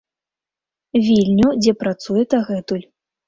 Вільню, дзе працуе дагэтуль.